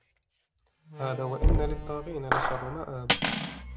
هذا وإن للطاغين لشر مآب